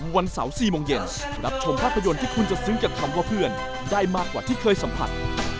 วันเสาร์๔โมงเย็นรับชมภาพยนตร์ที่คุณจะซื้อจากคำว่าเพื่อนได้มากกว่าที่เคยสัมผัส